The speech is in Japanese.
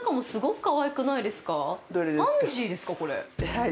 はい。